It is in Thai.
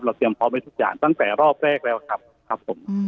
เตรียมพร้อมไว้ทุกอย่างตั้งแต่รอบแรกแล้วครับครับผม